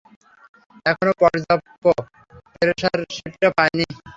এখনও পর্যাপ্য প্রেশার শিপটা পায়নি।